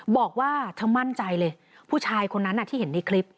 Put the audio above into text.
บอกว่าเธอมั่นใจเลยผู้ชายคนนั้นที่เห็นในคลิป